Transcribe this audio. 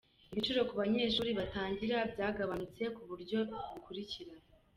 Ibiciro ku banyeshuri batangira byagabanutse ku buryo bukurikira :